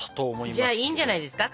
じゃあいいんじゃないですか？